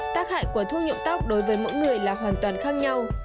tác hại của thuốc nhộn tóc đối với mỗi người là hoàn toàn khác nhau